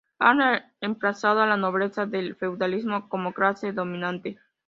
Han reemplazado a la nobleza del feudalismo como clase dominante.